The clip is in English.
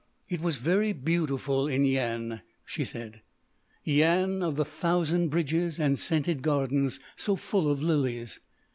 "It was very beautiful in Yian," she said, "—Yian of the thousand bridges and scented gardens so full of lilies.